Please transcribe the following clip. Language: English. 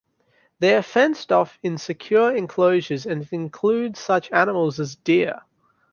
They are fenced off in secure enclosures and include such animals as deer.